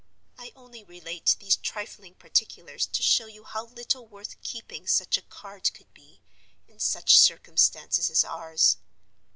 I only relate these trifling particulars to show you how little worth keeping such a card could be, in such circumstances as ours.